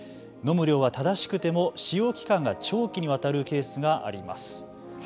のむ量は正しくても、使用期間が長期にわたるケースがあります。